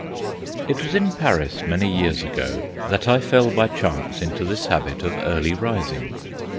IT was in Paris, many years ago, that I fell by chance into this habit of early rising.